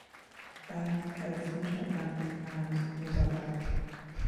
Bank has internet bank and mobile bank.